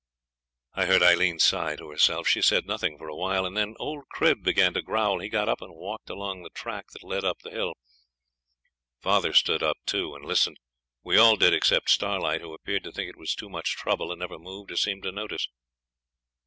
I heard Aileen sigh to herself. She said nothing for a while; and then old Crib began to growl. He got up and walked along the track that led up the hill. Father stood up, too, and listened. We all did except Starlight, who appeared to think it was too much trouble, and never moved or seemed to notice.